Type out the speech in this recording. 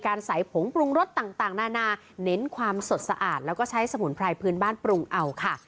ใส่ผงปรุงรสต่างนานาเน้นความสดสะอาดแล้วก็ใช้สมุนไพรพื้นบ้านปรุงเอาค่ะ